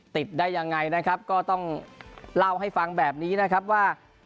ติดได้ยังไงนะครับก็ต้องเล่าให้ฟังแบบนี้นะครับว่า